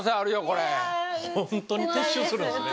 これ本当に撤収するんですね